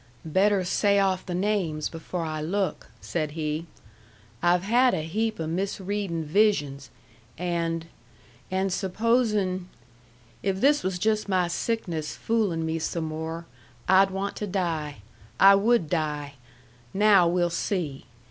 "Better say off the names before I look," said he. "I've had a heap o' misreading visions. And and supposin' if this was just my sickness fooling me some more I'd want to die. I would die! Now we'll see.